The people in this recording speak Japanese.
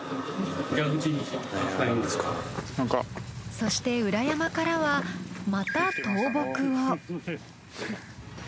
そして裏山からはまた倒木を。